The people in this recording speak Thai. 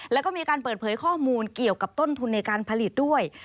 แล้วก็มีการเปิดเผยข้อมูลเกี่ยวกับต้นทุนในการผลิตด้วย